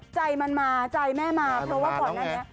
ใจมันมาใจแม่มาเพราะว่าก่อนหน้านี้